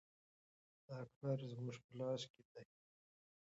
دا کار زموږ په لاس کې دی.